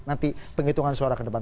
nanti penghitungan suara ke depan